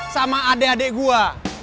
sama adik adik gue